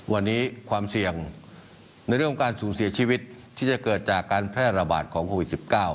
วันนี้ความเสี่ยงในเรื่องของการสูญเสียชีวิตที่จะเกิดจากการแพร่ระบาดของโควิด๑๙